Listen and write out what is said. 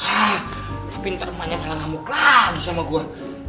haaaahhhh tapi ini rumahnya malah ngamuk lagi sama gua